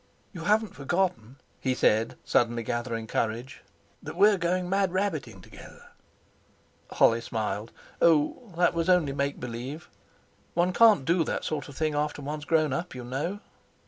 "You haven't forgotten," he said, suddenly gathering courage, "that we're going mad rabbiting together?" Holly smiled. "Oh! That was only make believe. One can't do that sort of thing after one's grown up, you know."